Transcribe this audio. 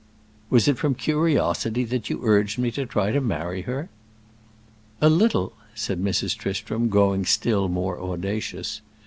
"Was it from curiosity that you urged me to try and marry her?" "A little," said Mrs. Tristram, growing still more audacious.